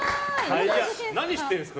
何してるんですか？